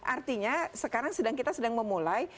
artinya sekarang kita sedang memulai